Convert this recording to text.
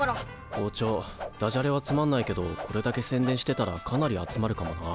校長ダジャレはつまんないけどこれだけ宣伝してたらかなり集まるかもな。